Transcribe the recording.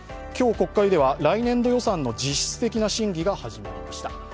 今日、国会では来年度予算の実質的審議が始まりました。